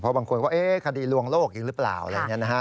เพราะบางคนว่าเอ๊ะคดีหลวงโรคหรือเปล่าอะไรอย่างนี้นะฮะ